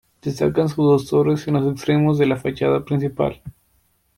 Destacan sus dos torres en los extremos de la fachada principal.